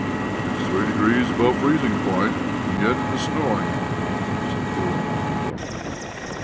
"It's three degrees above freezing point, and yet it is snowing," said Gurov to his daughter.